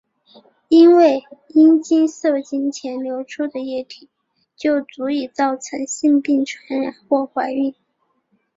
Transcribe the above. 因为阴茎射精前流出的液体就足以造成性病传染或怀孕。